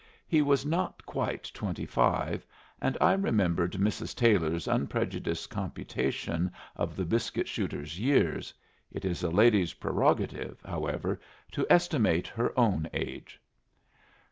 He was not quite twenty five, and I remembered Mrs. Taylor's unprejudiced computation of the biscuit shooter's years. It is a lady's prerogative, however, to estimate her own age.